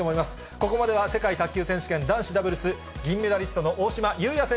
ここまでは世界卓球選手権男子ダブルス銀メダリストの大島祐哉選